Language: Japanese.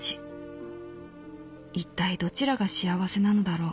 いったいどちらが幸せなのだろう」。